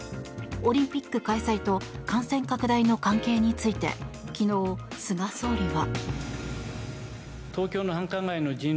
オリンピック開催と感染拡大の関係について昨日、菅総理は。